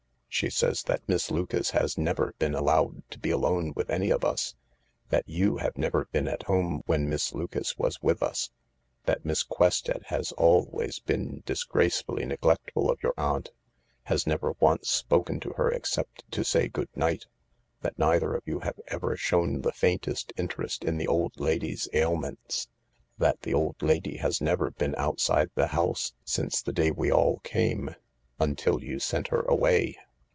" She says that Miss Lucas has never been allowed to be THE LARK 269 alone with any of us j that you have never been at home when Miss Lucas was with us ; that Miss Quested has been dis gracefully neglectful of your aunt — has never once spoken to her except to say good night ; that neither of you have ever shown the faintest interest in the old lady's ailments ; that the old lady has never been outside the house since the day we all came, until you sent her away.